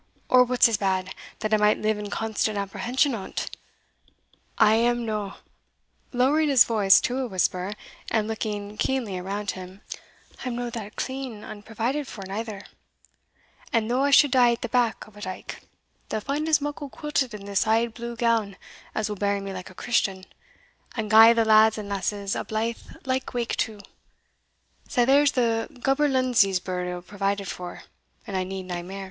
or, what's as bad, that I might live in constant apprehension o't? I am no" (lowering his voice to a whisper, and looking keenly around him) "I am no that clean unprovided for neither; and though I should die at the back of a dyke, they'll find as muckle quilted in this auld blue gown as will bury me like a Christian, and gie the lads and lasses a blythe lykewake too; sae there's the gaberlunzie's burial provided for, and I need nae mair.